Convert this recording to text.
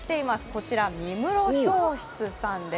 こちら三室氷室さんです。